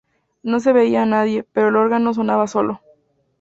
No se veía a nadie, pero el órgano sonaba solo.